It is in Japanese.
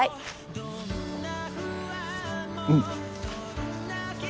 うん。